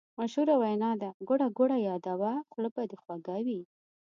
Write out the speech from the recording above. مشهوره وینا ده: ګوړه ګوړه یاده وه خوله به دې خوږه وي.